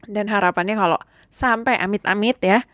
dan harapannya kalau sampai amit amit ya